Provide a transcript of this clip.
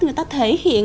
người ta thể hiện